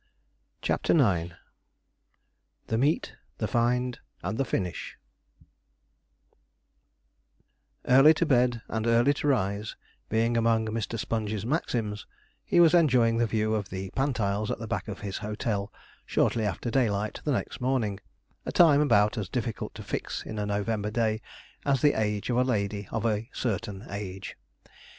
CHAPTER IX THE MEET THE FIND, AND THE FINISH Early to bed and early to rise being among Mr. Sponge's maxims, he was enjoying the view of the pantiles at the back of his hotel shortly after daylight the next morning, a time about as difficult to fix in a November day as the age of a lady of a 'certain age.'